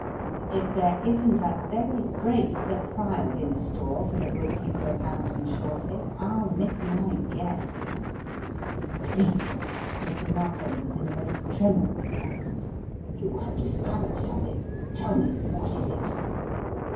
"If there isn't a very great surprise in store for the good people of Hampton shortly I'll miss my guess." 124 The Riddle of the Purple Emperor "Cleek!" Mr. Narkom was in a very tremour of excitement. "You have discovered something. Tell me; what is it?"